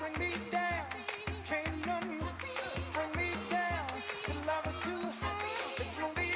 amin terima kasih usy